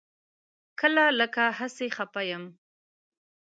کله لکه هسې خپه یم.